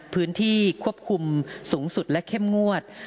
พื้นที่ควบคุมสูงสุดและเข้มงวด